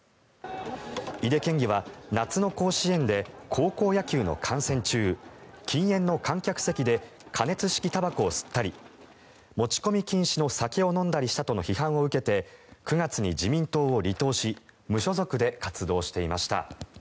井手県議は夏の甲子園で高校野球の観戦中禁煙の観客席で加熱式たばこを吸ったり持ち込み禁止の酒を飲んだりしたとの批判を受けて９月に自民党を離党し無所属で活動していました。